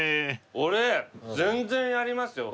俺全然やりますよ。